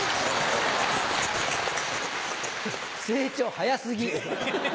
成長早過ぎ！